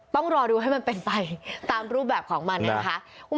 ต้องรอดูให้มันเป็นไปตามรูปแบบของมันนะคะ